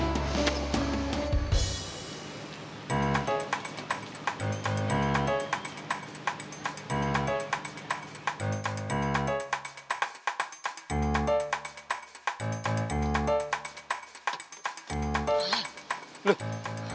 nih kita ke bandung